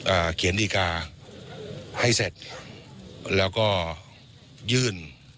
เขียนดีการ์ให้เสร็จแล้วก็ยื่น